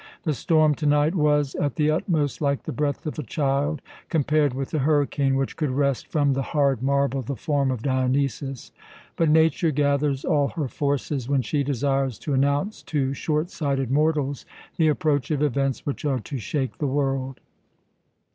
The storm to night was at the utmost like the breath of a child, compared with the hurricane which could wrest from the hard marble the form of Dionysus. But Nature gathers all her forces when she desires to announce to short sighted mortals the approach of events which are to shake the world.